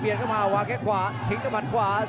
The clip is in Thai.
เพชรนภาพยังจะกระตุ้งมาแข่งซ้าย